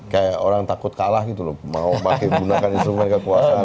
kayak orang takut kalah gitu loh mau pakai gunakan instrumen kekuasaan